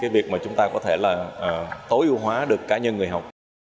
việc chúng ta có thể tối ưu hóa được cá nhân người học